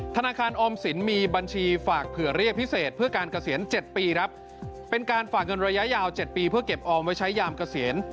ธนาคารออมสินมีบัญชีฝากเผื่อเรียกพิเศษเพื่อการเกษียณ๗ปีครับเป็นการฝากเงินระยะยาว๗ปีเพื่อเก็บออมไว้ใช้ยามเกษียณ